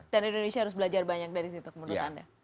dan indonesia harus belajar banyak dari situ menurut anda